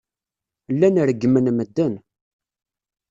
Llan reggmen medden.